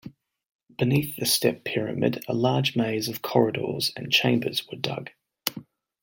Beneath the step pyramid, a large maze of corridors and chambers were dug.